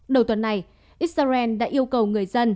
đầu tuần này israel đã yêu cầu người dân